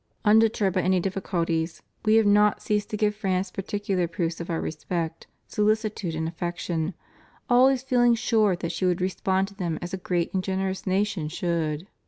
Undeterred by any difficulties. We have not ceased to give France particular proofs of Our respect, solicitude, and affection, always feeling sure that she would respond to them as a great and generous nation should.